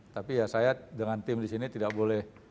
tapi ya saya dengan tim di sini tidak boleh